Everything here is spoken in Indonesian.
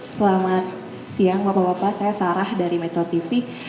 selamat siang bapak bapak saya sarah dari metro tv